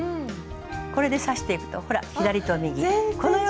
これで刺していくとほら左と右。